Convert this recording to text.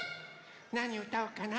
なにうたおうかな。